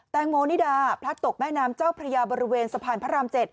งโมนิดาพลัดตกแม่น้ำเจ้าพระยาบริเวณสะพานพระราม๗